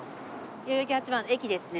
代々木八幡の駅ですね